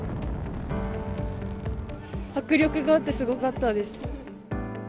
迫力があってすごかったです。